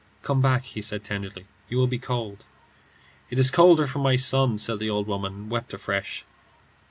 "Come back," he said, tenderly. "You will be cold." "It is colder for my son," said the old woman, and wept afresh.